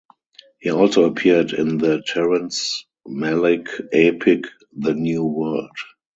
He also appeared in the Terrence Malick epic "The New World".